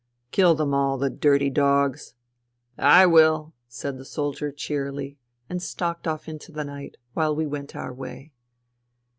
Kill them all, the dirty dogs I " "I will," said the soldier cheerily, and stalked off into the night, while we went our way.